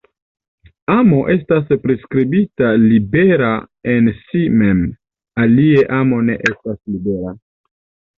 Amo estas priskribita libera en si mem, alie amo ne estas libera.